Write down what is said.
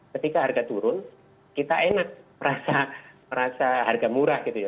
ketika harga turun kita enak merasa harga murah gitu ya